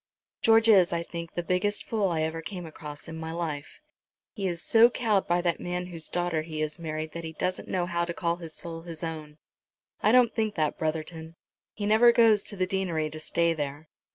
"George is, I think, the biggest fool I ever came across in my life. He is so cowed by that man whose daughter he has married that he doesn't know how to call his soul his own." "I don't think that, Brotherton. He never goes to the deanery to stay there."